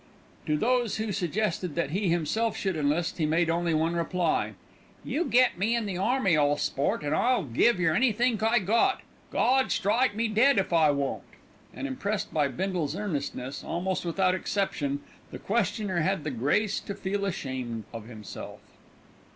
To those who suggested that he himself should enlist, he made only one reply, "You get me in the army, ole sport, an' I'll give yer anythink I got. Gawd strike me dead if I won't." And impressed by Bindle's earnestness, almost without exception, the questioner had the grace to feel ashamed of himself.